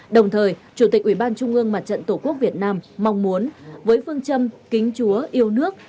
đồng thời chủ tịch ủy ban trung ương mặt trận tổ quốc việt nam mong muốn với phương châm kính chúa yêu nước